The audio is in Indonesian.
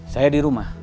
saya di rumah